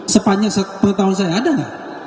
sepanjang pengetahuan saya ada nggak